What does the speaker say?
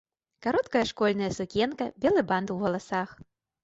Кароткая школьная сукенка, белы бант ў валасах.